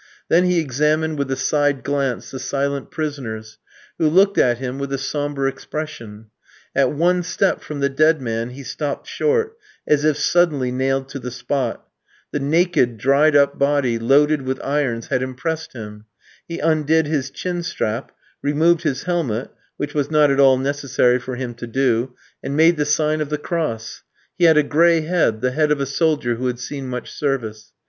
Then he examined with a side glance the silent prisoners, who looked at him with a sombre expression. At one step from the dead man he stopped short, as if suddenly nailed to the spot; the naked, dried up body, loaded with irons, had impressed him; he undid his chin strap, removed his helmet (which was not at all necessary for him to do), and made the sign of the cross; he had a gray head, the head of a soldier who had seen much service.